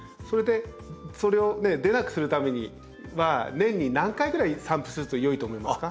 それを出なくするためには年に何回ぐらい散布すると良いと思いますか？